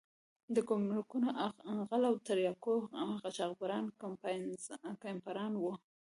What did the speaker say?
د ګمرکونو غله او د تریاکو قاچاقبران کمپاینران وو.